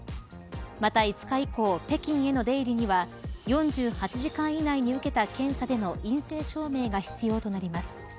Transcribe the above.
また５日以降北京への出入りには４８時間以内に受けた検査での陰性証明が必要となります。